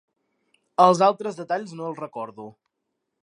Els altres detalls no els recordo.